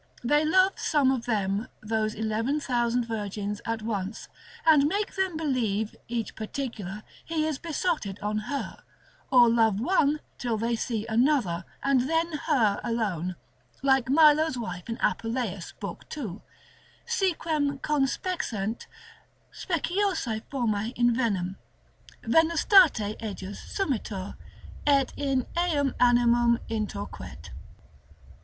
They love some of them those eleven thousand virgins at once, and make them believe, each particular, he is besotted on her, or love one till they see another, and then her alone; like Milo's wife in Apuleius, lib. 2. Si quem conspexerit speciosae formae invenem, venustate ejus sumitur, et in eum animum intorquet.